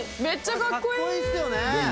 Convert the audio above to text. かっこいいっすよね。